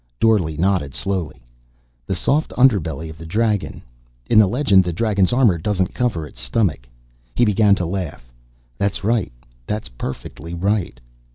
Dorle nodded slowly. "The soft underbelly of the dragon. In the legend, the dragon's armor doesn't cover its stomach." He began to laugh. "That's right. That's perfectly right."